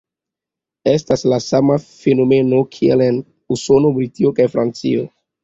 Estas la sama fenomeno kiel en Usono, Britio kaj Francio.